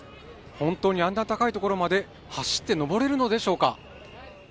本当にあんな高いところまで走って上れるのでしょうか。